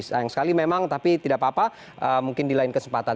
sayang sekali memang tapi tidak apa apa mungkin di lain kesempatan